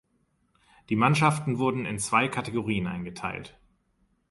Die Mannschaften wurden in zwei Kategorien eingeteilt.